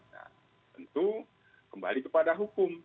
nah tentu kembali kepada hukum